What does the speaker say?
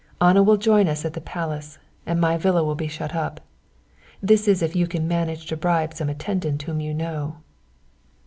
Anna will join us at the Palace, and my villa will be shut up. This is if you can manage to bribe some attendant whom you know."